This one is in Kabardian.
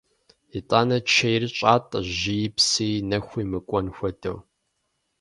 ИтӀанэ чейр щӀатӀэ жьыи, псыи, нэхуи мыкӀуэн хуэдэу.